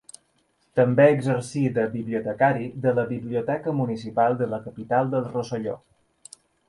També exercí de bibliotecari de la biblioteca municipal de la capital del Rosselló.